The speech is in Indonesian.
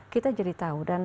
kita jadi tahu